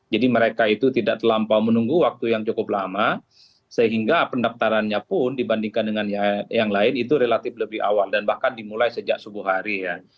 jadi mereka itu tidak terlampau menunggu waktu yang cukup lama sehingga pendaftarannya pun dibandingkan dengan yang lain itu relatif lebih awal dan bahkan dimulai sejak subuh hari ya